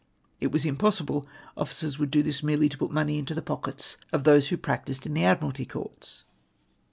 It was impossible officers would do this merely to put money into the pockets of those who practised in the Admiralty Courts.